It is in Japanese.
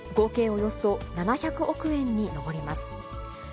およそ７００億円に上ります。